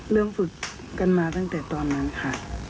ฝึกกันมาตั้งแต่ตอนนั้นค่ะ